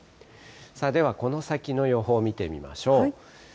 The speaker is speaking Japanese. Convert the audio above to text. ではこの先の予報を見てみましょう。